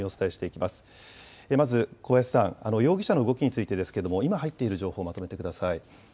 まず小林さん、容疑者の動きについてですけれども今入っている情報をまとめてください。